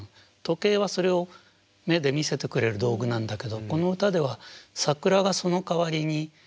時計はそれを目で見せてくれる道具なんだけどこの歌では桜がその代わりに。